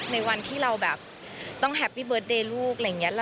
ในวันที่เราแบบต้องแฮปปี้เบิร์ตเดย์ลูกอะไรอย่างนี้